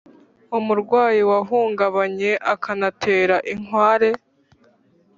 umurwanyi wahungabanye akanatera inkware.